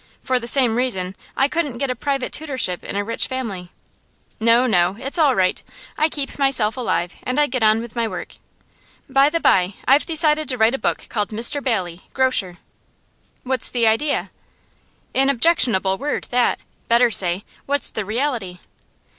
For the same reason I couldn't get a private tutorship in a rich family. No, no; it's all right. I keep myself alive, and I get on with my work. By the bye, I've decided to write a book called "Mr Bailey, Grocer."' 'What's the idea?' 'An objectionable word, that. Better say: "What's the reality?"